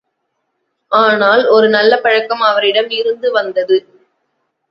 ஆனால், ஒரு நல்ல பழக்கம் அவரிடம் இருந்து வந்தது.